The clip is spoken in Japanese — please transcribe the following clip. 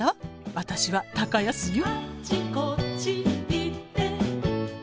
私は高安よ。